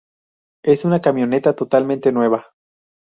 Es una camioneta totalmente nueva.